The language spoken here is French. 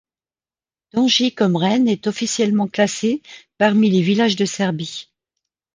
Donji Komren est officiellement classé parmi les villages de Serbie.